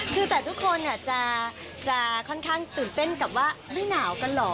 คือแต่ทุกคนจะค่อนข้างตื่นเต้นกับว่าไม่หนาวกันเหรอ